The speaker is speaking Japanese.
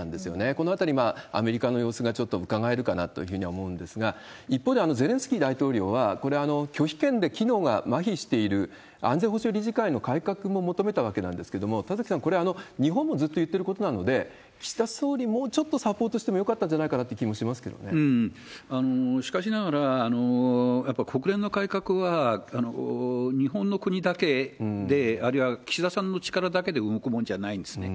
このあたり、アメリカの様子がちょっとうかがえるのかなと思うんですが、一方で、ゼレンスキー大統領は、これ、拒否権で機能がまひしている安全保障理事会の改革も求めたわけなんですけれども、田崎さん、これ、日本もずっといっていることなので、岸田総理、もうちょっとサポートしてもよかったんじゃないかなっていう気もしかしながら、やっぱ国連の改革は日本の国だけで、あるいは岸田さんの力だけで動くものじゃないんですね。